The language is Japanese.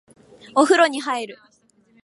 お風呂に入る